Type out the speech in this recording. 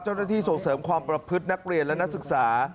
ส่งเสริมความประพฤตินักเรียนและนักศึกษา